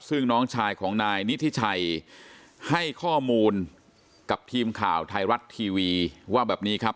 ซึ่งน้องชายของนายนิธิชัยให้ข้อมูลกับทีมข่าวไทยรัฐทีวีว่าแบบนี้ครับ